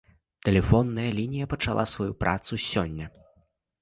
Тэлефонная лінія пачала сваю працу сёння.